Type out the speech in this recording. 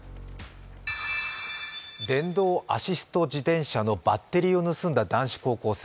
電動アシスト自転車のバッテリーを盗んだ男子高校生。